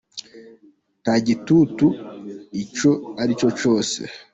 Nta gitutu icyo ari cyo cyose.